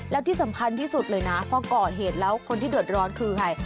แล้วที่สำคัญที่สุดเลยนะพอก่อเหตุแล้วคนที่เดือดร้อนคือใคร